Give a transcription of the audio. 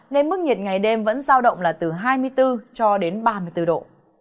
nên mức nhiệt ngày đêm vẫn giao động là từ hai mươi bốn cho đến ba mươi bốn độ